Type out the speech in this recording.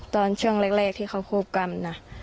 ตอนช่วงแรกที่เขาคบกันนะ